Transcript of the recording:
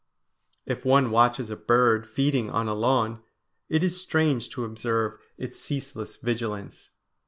If one watches a bird feeding on a lawn, it is strange to observe its ceaseless vigilance.